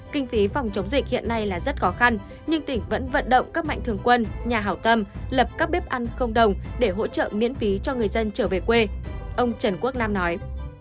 kinh phí phòng chống dịch hiện nay là rất khó khăn nhưng tỉnh vẫn vận động các mạnh thường quân nhà hảo tâm lập các bếp ăn không đồng để hỗ trợ miễn phí cho người dân trở về quê ông trần quốc nam nói